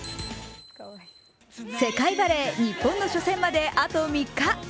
世界バレー日本の初戦まであと３日。